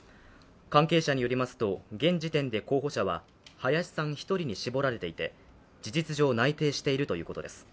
関係者によりますと、現時点で候補者は林さん１人に絞られていて事実上、内定しているということです。